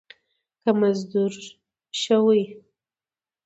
که مزدور شوې